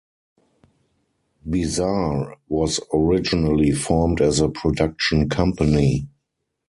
Bizarre was originally formed as a production company.